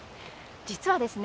実はですね